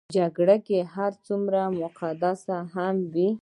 جګړه که هر څومره مقدسه هم وي.